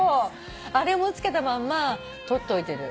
あれも付けたまんま取っといてる。